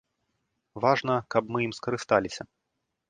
Важна, каб мы ім скарысталіся.